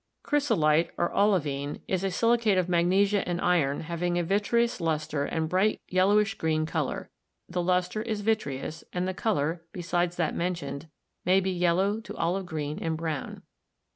Chrysolite, or Olivine, is a silicate of magnesia and iron having a vitreous luster and bright yellowish green color. The luster is vitreous, and the color, besides that men tioned, may be yellow to olive green and brown.